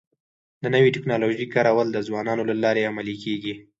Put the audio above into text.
د نوي ټکنالوژۍ کارول د ځوانانو له لارې عملي کيږي.